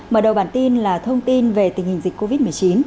mở đầu bản tin là thông tin về tình hình dịch covid một mươi chín